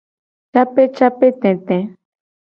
Capecapetete.